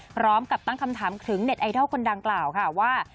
พร้อมกับตั้งคำถามถึงเน็ตไอดอลคนดังกล่าวค่ะว่า